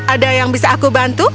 ada yang bisa aku bantu